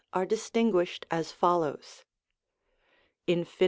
are distinguished as follows : Infin.